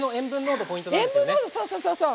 塩分濃度、そうそうそう。